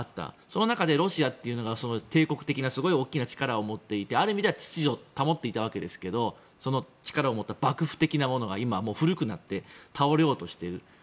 その中でロシアというのが帝国的な大きな力を持っていてある意味では秩序を保っていたわけですけどその力を持った幕府的なものが今はもう古くなっていて倒れようとしている。